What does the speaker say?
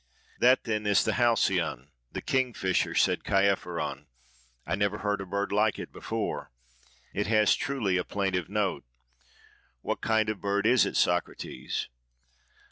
"That then is the Halcyon—the kingfisher," said Chaerephon. "I never heard a bird like it before. It has truly a plaintive note. What kind of a bird is it, Socrates?"